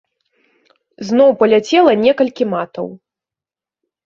Зноў паляцела некалькі матаў.